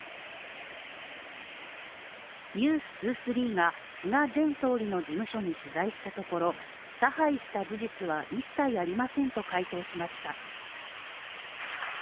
「ｎｅｗｓ２３」が菅前総理の事務所に取材したところ、差配した事実は一切ありませんと回答しました。